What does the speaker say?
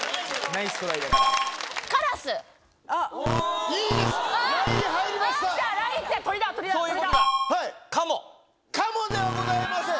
カモではございません